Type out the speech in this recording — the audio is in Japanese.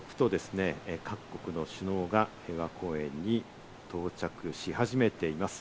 続々と各国の首脳が公園に到着し始めています。